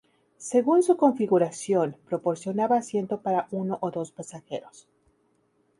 Según su configuración, proporcionaba asiento para uno o dos pasajeros.